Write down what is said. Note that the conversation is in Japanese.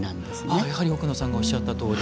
やはり奥野さんがおっしゃったとおり。